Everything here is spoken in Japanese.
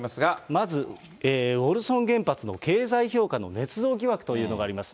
まずウォルソン原発の経済評価のねつ造疑惑というのがあります。